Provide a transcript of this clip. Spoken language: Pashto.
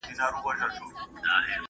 طوطي جغرافیه تشریح کوي.